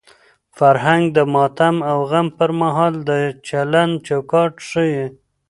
فرهنګ د ماتم او غم پر مهال د چلند چوکاټ ښيي.